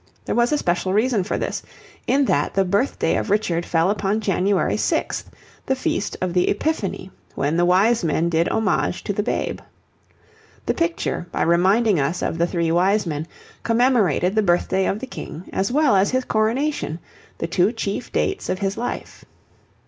There was a special reason for this, in that the birthday of Richard fell upon January 6, the feast of the Epiphany, when the Wise Men did homage to the Babe. The picture, by reminding us of the three Wise Men, commemorated the birthday of the King as well as his coronation, the two chief dates of his life.